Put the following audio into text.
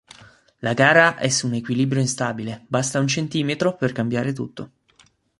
La gara è su un equilibrio instabile, basta un centimetro per cambiare tutto.